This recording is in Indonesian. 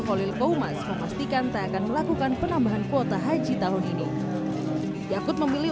holil komas memastikan tak akan melakukan penambahan kuota haji tahun ini yakut memilih